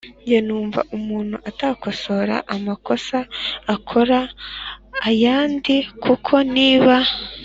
Nge numva umuntu atakosora amakosa akora ayandi. Kuko niba